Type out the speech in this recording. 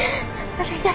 お願い